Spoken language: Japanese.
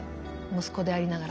息子でありながら。